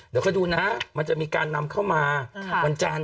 เดี๋ยวค่อยดูนะมันจะมีการนำเข้ามาวันจันทร์